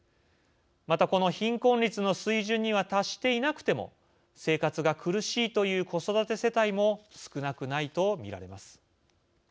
また、この貧困率の水準には達していなくても生活が苦しいという子育て世帯も少なくないと見られます。